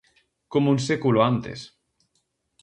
Como un século antes.